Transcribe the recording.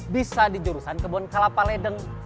bisa di jurusan kebun kelapa ledeng